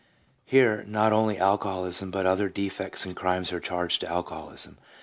1 Here not only alcoholism, but other defects and crimes arc charged to alcoholism.